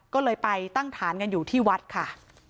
ก็เลยไปตั้งฐานกันอยู่ที่วัดค่ะ